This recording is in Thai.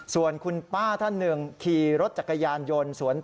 ส่วนคุณป้าท่านหนึ่งขี่รถจักรยานยนต์สวน